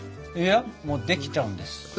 いやもうできちゃうんです。